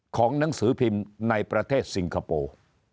ของหนังสือพิมพ์ในประเทศสิงคโปร์